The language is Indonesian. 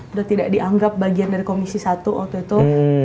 sudah tidak dianggap bagian dari komisi satu waktu itu